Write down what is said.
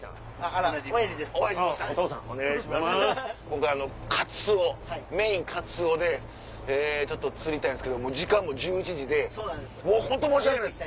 今回カツオメインカツオでちょっと釣りたいんですけどもう時間も１１時でホント申し訳ないです。